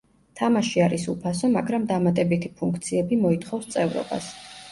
თამაში არის უფასო მაგრამ დამატებითი ფუნქციები მოითხოვს წევრობას.